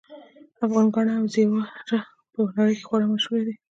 افغان ګاڼه او زیور په نړۍ کې خورا مشهور دي